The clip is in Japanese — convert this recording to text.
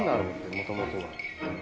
もともとは。